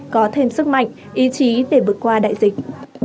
có thêm sức mạnh ý chí để vượt qua đại dịch